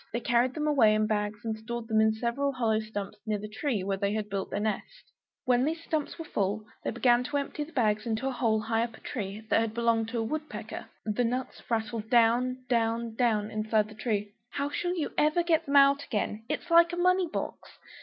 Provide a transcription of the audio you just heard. They carried them away in bags, and stored them in several hollow stumps near the tree where they had built their nest. When these stumps were full, they began to empty the bags into a hole high up a tree, that had belonged to a wood pecker; the nuts rattled down down down inside. "How shall you ever get them out again? It is like a money box!"